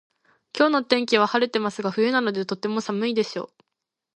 今日の天気は晴れてますが冬なのでとても寒いでしょう